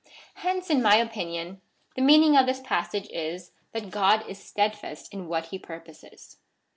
Hence, in my opinion, the meaning of this passage is, that ( God is steadfast in what he purposes.